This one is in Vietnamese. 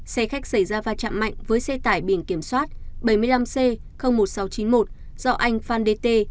xe khách xảy ra va chạm mạnh với xe tải biển kiểm soát bảy mươi năm c một nghìn sáu trăm chín mươi một do anh phan đê tê